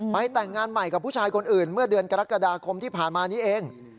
แต่งงานใหม่กับผู้ชายคนอื่นเมื่อเดือนกรกฎาคมที่ผ่านมานี้เอง